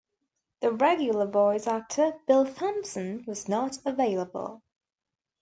The regular voice actor Bill Thompson was not available.